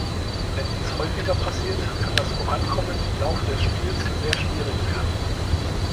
Wenn dies häufiger passiert, kann das Vorankommen im Laufe des Spiels sehr schwierig werden.